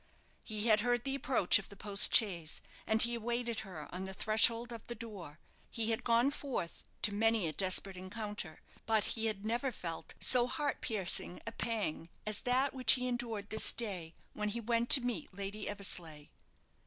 He had heard the approach of the post chaise, and he awaited her on the threshold of the door. He had gone forth to many a desperate encounter; but he had never felt so heart piercing a pang as that which he endured this day when he went to meet Lady Eversleigh.